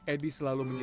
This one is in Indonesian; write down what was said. edy selalu mencari